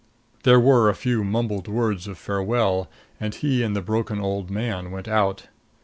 There were a few mumbled words of farewell and he and the broken old man went out.